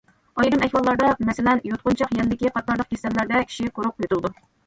ئايرىم ئەھۋاللاردا، مەسىلەن: يۇتقۇنچاق يەللىكى قاتارلىق كېسەللەردە كىشى قۇرۇق يۆتىلىدۇ.